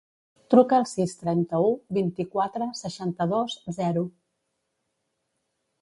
Truca al sis, trenta-u, vint-i-quatre, seixanta-dos, zero.